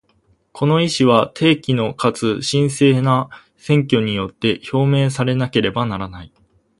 この意思は、定期のかつ真正な選挙によって表明されなければならない。